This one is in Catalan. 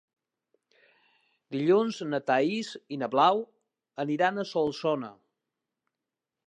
Dilluns na Thaís i na Blau aniran a Solsona.